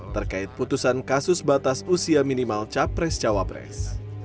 terkait putusan kasus batas usia minimal capres cawapres